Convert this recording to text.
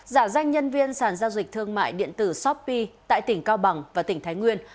giả danh nhân viên sản giao dịch thương mại điện tử shopee tại tỉnh cao bằng và tỉnh thái nguyên